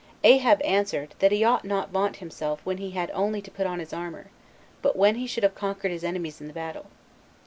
Ahab answered, that he ought not to vaunt himself when he had only put on his armor, but when he should have conquered his enemies in the battle.